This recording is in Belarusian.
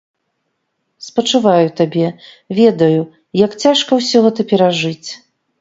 Спачуваю табе, ведаю, як цяжка ўсё гэта перажыць.